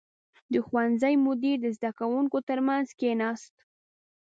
• د ښوونځي مدیر د زده کوونکو تر منځ کښېناست.